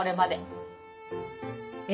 え？